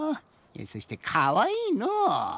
そしてかわいいのう。